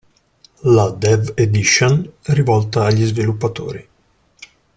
La Dev Edition, rivolta agli sviluppatori.